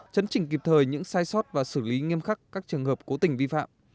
chấn chỉnh kịp thời những sai sót và xử lý nghiêm khắc các trường hợp cố tình vi phạm